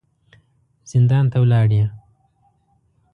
زندان ته ولاړې.